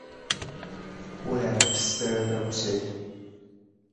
Ur ɛeffset ara tamusayt.